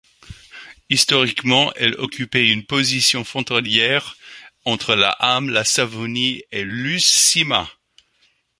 Historiquement, elle occupait une position frontalière entre le Häme, la Savonie et l'Uusimaa.